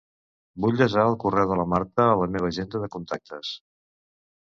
Vull desar el correu de la Marta a la meva agenda de contactes.